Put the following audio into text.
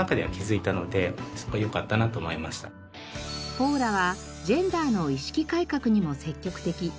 ポーラはジェンダーの意識改革にも積極的。